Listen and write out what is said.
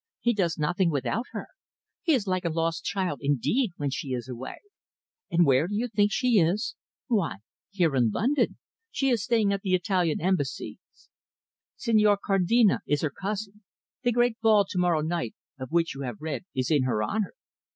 He does nothing without her. He is like a lost child, indeed, when she is away. And where do you think she is? Why, here in London. She is staying at the Italian Embassy. Signor Cardina is her cousin. The great ball to morrow night, of which you have read, is in her honour.